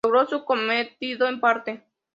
Logró su cometido en parte.